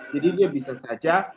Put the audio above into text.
jadi dia bisa saja